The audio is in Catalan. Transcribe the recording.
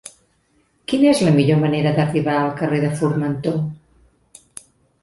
Quina és la millor manera d'arribar al carrer de Formentor?